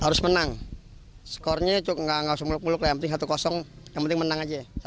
harus menang skornya nggak langsung muluk muluk lah yang penting satu yang penting menang aja